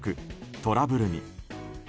トラブルに。